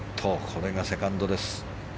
これがセカンドです。